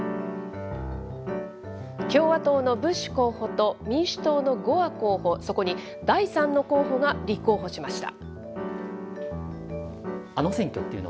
共和党のブッシュ候補と、民主党のゴア候補、そこに第３の候補が立候補しました。